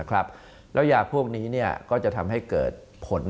แล้วยาพวกนี้ก็จะทำให้เกิดผล